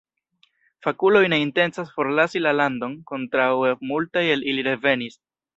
Fakuloj ne intencas forlasi la landon, kontraŭe multaj el ili revenis.